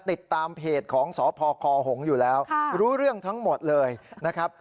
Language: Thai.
ติดตามเพจของสพคหงษ์อยู่แล้วรู้เรื่องทั้งหมดเลยนะครับ